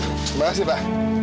terima kasih pak